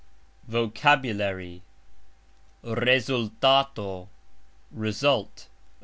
VOCABULARY. rezultato : result.